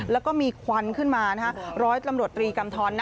แล้วก็มีควันขึ้นมาร้อยตำรวจตรีกำทร